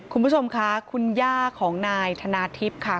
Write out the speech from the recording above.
คุณผู้ชมค่ะคุณย่าของนายธนาทิพย์ค่ะ